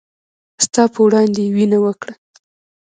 ستا په وړاندې يې وينه وکړه